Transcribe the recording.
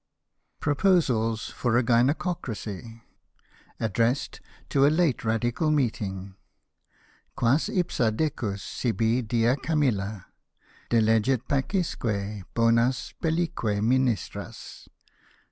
PROPOSALS FOR A GYN.ECOCRACY ADDRESSED TO A LATE RADICAL MEETING —" Quas ipsa decus sibi dia Camilla Delegit pacisque bonas bellique ministras.